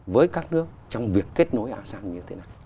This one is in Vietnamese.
với các nước trong việc kết nối asean như thế này